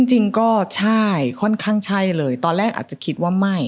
จริงก็ใช่ค่อนข้างใช่เลยตอนแรกอาจจะคิดว่าไม่